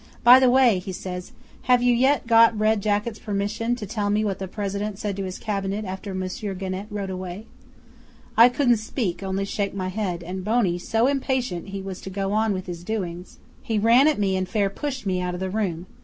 "By the way," he says, "have you yet got Red Jacket's permission to tell me what the President said to his Cabinet after Monsieur Genet rode away?" 'I couldn't speak, I could only shake my head, and Boney so impatient he was to go on with his doings he ran at me and fair pushed me out of the room.